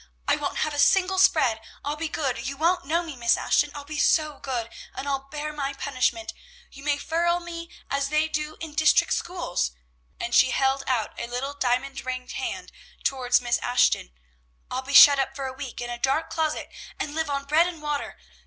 I won't have a single spread; I'll be good; you won't know me, Miss Ashton, I'll be so good; and I'll bear any punishment. You may ferule me, as they do in district schools," and she held out a little diamond ringed hand toward Miss Ashton; "I'll be shut up for a week in a dark closet, and live on bread and water.